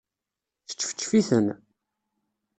Sčefčef-iten.